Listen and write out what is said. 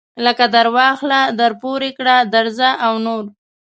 لکه درواخله درپورې کړه درځه او نور.